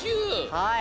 はい。